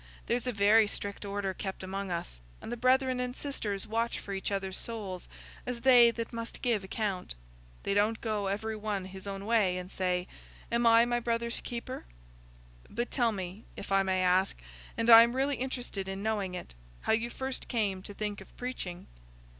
There's a very strict order kept among us, and the brethren and sisters watch for each other's souls as they that must give account. They don't go every one his own way and say, 'Am I my brother's keeper?'" "But tell me—if I may ask, and I am really interested in knowing it—how you first came to think of preaching?"